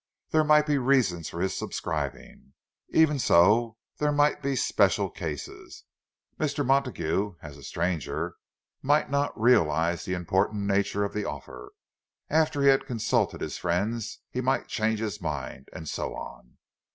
There might be reasons for his subscribing, even so; there might be special cases; Mr. Montague, as a stranger, might not realize the important nature of the offer; after he had consulted his friends, he might change his mind—and so on.